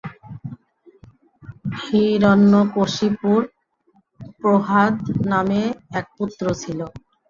হিরণ্যকশিপুর প্রহ্লাদ নামে এক পুত্র ছিল।